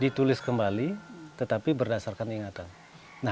ditulis kembali tetapi berdasarkan ingatan